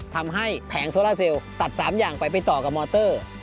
แผงโซล่าเซลตัด๓อย่างไปไปต่อกับมอเตอร์